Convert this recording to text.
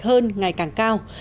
hơn ngày càng cao